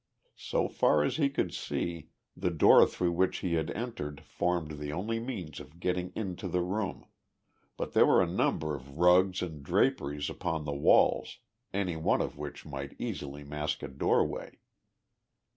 So far as he could see, the door through which he had entered formed the only means of getting into the room but there were a number of rugs and draperies upon the walls, any one of which might easily mask a doorway.